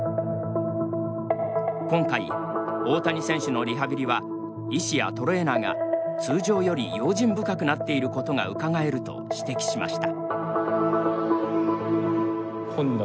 今回大谷選手のリハビリは医師やトレーナーが通常より用心深くなっていることがうかがえると指摘しました。